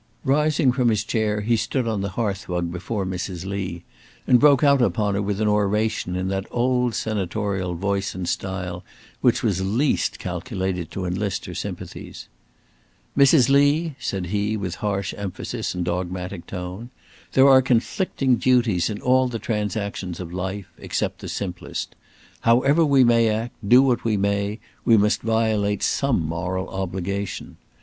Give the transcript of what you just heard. Rising from his chair he stood on the hearthrug before Mrs. Lee, and broke out upon her with an oration in that old senatorial voice and style which was least calculated to enlist her sympathies: "Mrs. Lee," said he, with harsh emphasis and dogmatic tone, "there are conflicting duties in all the transactions of life, except the simplest. However we may act, do what we may, we must violate some moral obligation.